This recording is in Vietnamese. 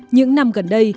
những năm gần đây